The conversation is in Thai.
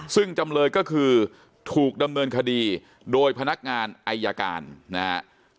ซึ่งจำเลยก็คือถูกดำเนินคดีโดยพนักงานอายการนะครับ